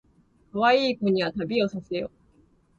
かわいい子には旅をさせよ